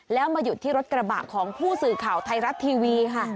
แล้วมาหยุดที่รถกระบะของผู้สื่อข่าวไทยรัฐทีวีค่ะ